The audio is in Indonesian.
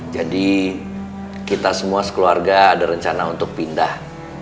jadi kita semua sekeluarga ada rencana untuk pindah